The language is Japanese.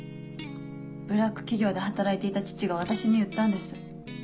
ブラック企業で働いていた父が私に言ったんです。